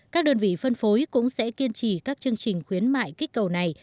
các đơn vị phân phối cũng sẽ kiên trì các chương trình khuyến mại kích cầu này